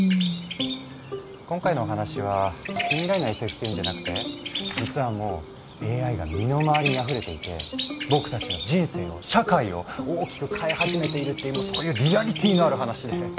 今回のお話は近未来のＳＦっていうんじゃなくて実はもうＡＩが身の回りにあふれていて僕たちの人生を社会を大きく変え始めているっていうそういうリアリティーのある話で。